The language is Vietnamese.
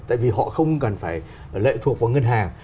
tại vì họ không cần phải lệ thuộc vào ngân hàng